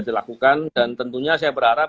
dilakukan dan tentunya saya berharap